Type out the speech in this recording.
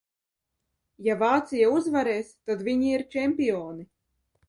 Ja Vācija uzvarēs, tad viņi ir čempioni!